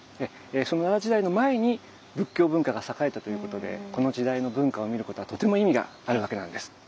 その奈良時代の前に仏教文化が栄えたということでこの時代の文化を見ることはとても意味があるわけなんです。